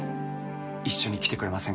一緒に来てくれませんか？